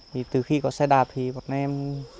thì từ khi có xe đạp thì bọn em